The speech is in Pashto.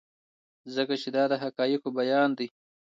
ځکه چې دا د حقایقو بیان دی.